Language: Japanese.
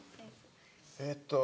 えっと。